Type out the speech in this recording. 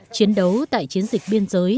chiến đấu tại chiến dịch biên giới